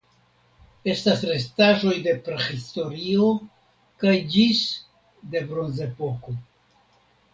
Estas restaĵoj de Prahistorio kaj ĝis de Bronzepoko.